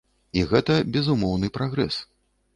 І гэта безумоўны прагрэс.